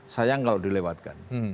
sayang kalau dilewatkan